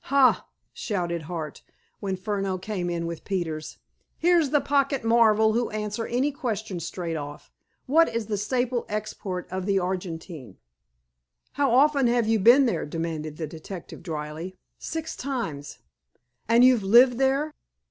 "Ha!" shouted Hart, when Furneaux came in with Peters. "Here's the pocket marvel who'll answer any question straight off. What is the staple export of the Argentine!" "How often have you been there?" demanded the detective dryly. "Six times." "And you've lived there?"